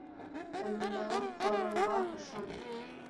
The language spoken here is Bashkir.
Янындағы ҡоралға ышан.